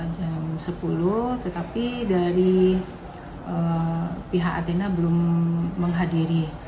jam sepuluh tetapi dari pihak athena belum menghadiri